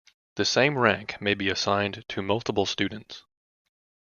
The same rank may be assigned to multiple students.